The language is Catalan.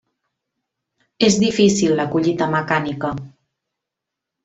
És difícil la collita mecànica.